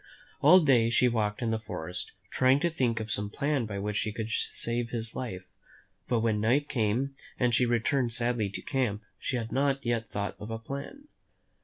All day she walked in the forest, trying to think of some plan by which she could save his life; but when night came and she returned sadly to camp, she had not yet thought of a plan.